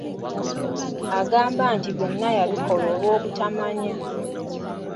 Agamba nti byonna yabikola lwa butamanya.